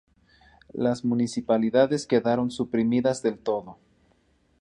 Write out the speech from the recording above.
Las municipalidades quedaron suprimidas del todo.